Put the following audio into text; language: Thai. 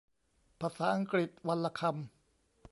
ภาษาอังกฤษวันละคำ